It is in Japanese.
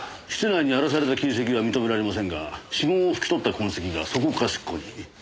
室内に荒らされた形跡は認められませんが指紋を拭き取った痕跡がそこかしこに。